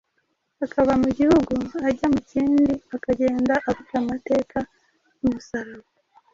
akava mu gihugu ajya mu kindi, akagenda avuga amateka y’umusaraba,